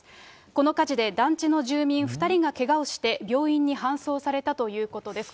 この火事で団地の住民２人がけがをして、病院に搬送されたということです。